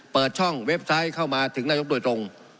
เปิดช่องเว็บไซต์เข้ามาถึงนายกโดยตรง